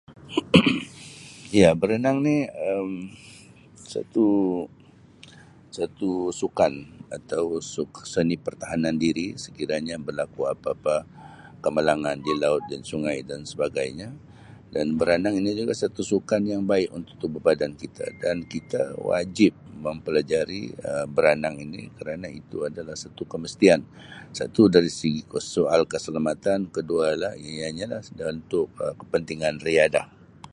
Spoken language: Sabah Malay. ya berenang ni Um satu-satu sukan atau se-seni pertahanan diri sekiranya berlaku apa-apa kemalangan di laut dan sungai dan sebagainya dan baranang ini juga satu sukan yang baik untuk tubuh badan kita wajib mempelajari Um baranang ini kerana itu adalah satu kemastian, satu dari segi soal keselamatan, kedua ialah ianya adalah untuk kepentingan riadah.